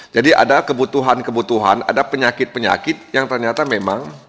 jadi ada kebutuhan kebutuhan ada penyakit penyakit yang ternyata memang